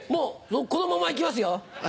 このまま行きますよ。